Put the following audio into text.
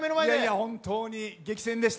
本当に激戦でした。